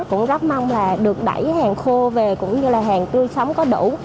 cũng rất mong là được đẩy hàng khô về cũng như là hàng tươi sống có đủ